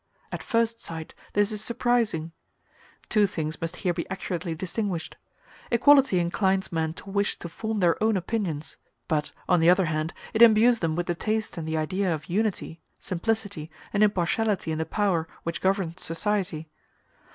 At first sight this is surprising. Two things must here be accurately distinguished: equality inclines men to wish to form their own opinions; but, on the other hand, it imbues them with the taste and the idea of unity, simplicity, and impartiality in the power which governs society.